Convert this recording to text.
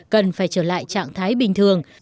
cần phải trở lại trạng thái bình thường